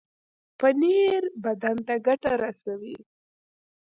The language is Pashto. پنېر بدن ته ګټه رسوي.